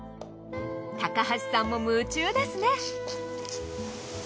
高橋さんも夢中ですね。